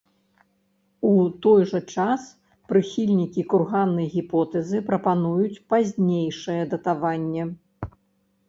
У той жа час, прыхільнікі курганнай гіпотэзы прапануюць пазнейшае датаванне.